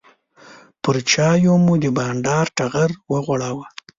پر چایو مو د بانډار ټغر وغوړاوه.